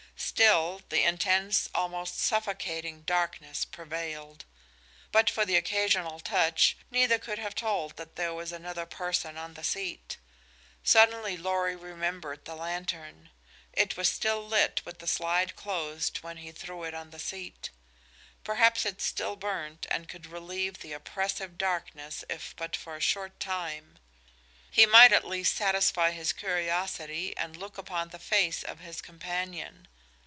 Still the intense, almost suffocating darkness prevailed. But for the occasional touch neither could have told that there was another person on the seat. Suddenly Lorry remembered the lantern. It was still lit with the slide closed when he threw it on the seat. Perhaps it still burned and could relieve the oppressive darkness if but for a short time. He might, at least, satisfy his curiosity and look upon the face of his companion.